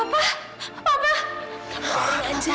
kamu tidur aja